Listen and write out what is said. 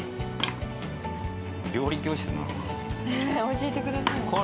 教えてください。